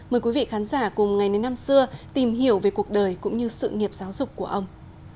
mời quý vị khán giả cùng ngày đến năm xưa tìm hiểu về cuộc đời cũng như sự nghiệp giáo dục của ông